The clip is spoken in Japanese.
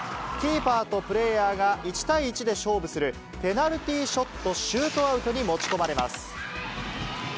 キーパーとプレーヤーが１対１で勝負するペナルティーショット・シュートアウトに持ち込まれます。